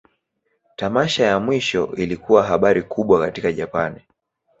Tamasha ya mwisho ilikuwa habari kubwa katika Japan.